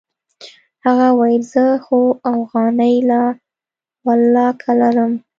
هغه وويل زه خو اوغانۍ لا ولله که لرم.